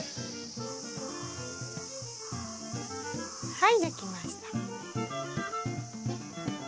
はいできました。